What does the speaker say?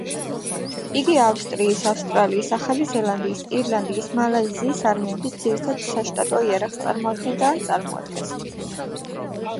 იგი ავსტრიის, ავსტრალიის, ახალი ზელანდიის, ირლანდიის, მალაიზიის არმიების ძირითად საშტატო იარაღს წარმოადგენდა ან წარმოადგენს.